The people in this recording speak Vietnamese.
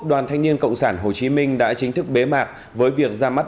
đoàn thanh niên cộng sản hồ chí minh đã chính thức bế mạc với việc ra mắt